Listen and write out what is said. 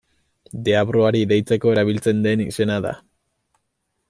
Deabruari deitzeko erabiltzen den izena da.